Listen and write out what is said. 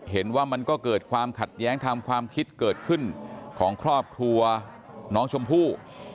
เห็นว่ามันก็เกิดความขัดแย้งทางความคิดเกิดขึ้นของครอบครัวน้องชมพู่